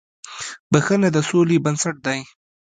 • بښنه د سولې بنسټ دی.